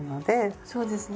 そうですね。